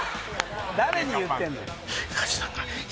誰に言ってるの？